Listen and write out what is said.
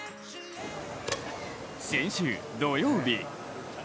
先週、土曜日。